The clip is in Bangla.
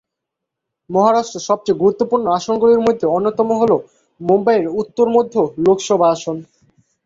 মহারাষ্ট্র সবচেয়ে গুরুত্বপূর্ণ আসনগুলির মধ্যে অন্যতম হল মুম্বাই উত্তর মধ্য লোকসভা আসন।